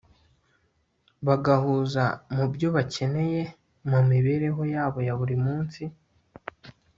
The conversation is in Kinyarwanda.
bagahuza mu byo bakeneye mu mibereho yabo ya buri munsi